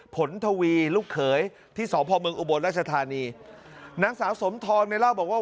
ผลทวีลูกเขยที่สองพ่อเมืองอุบสรรค์ราชธานีหนังสาวสมทองในเล่าบอกว่า